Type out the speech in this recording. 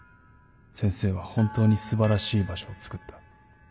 先生は本当に素晴らしい場所を作った。